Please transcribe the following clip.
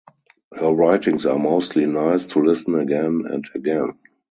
Her writings are mostly nice to listen again and again.